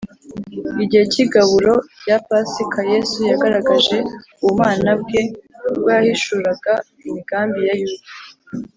igihe cy’igaburo rya pasika, yesu yagaragaje ubumana bwe ubwo yahishuraga imigambi ya yuda